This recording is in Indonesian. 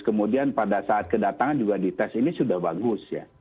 kemudian pada saat kedatangan juga dites ini sudah bagus ya